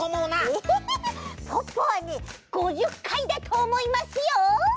えポッポはね５０かいだとおもいますよ！